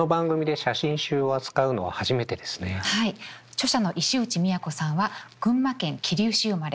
著者の石内都さんは群馬県桐生市生まれ。